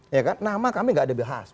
iya kan nama kami gak ada biasa